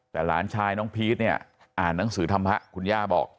แต่หลานชายน้องพีชเนี่ยอ่านหนังสือธรรมะคุณย่าบอก